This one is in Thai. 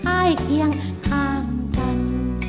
อ้ายเทียงข้างกัน